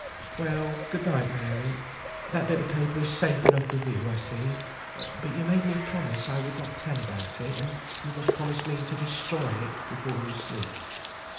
"Well, good night, Mary. That bit of paper is safe enough with you, I see. But you made me promise I would not tell about it, and you must promise me to destroy it before you sleep."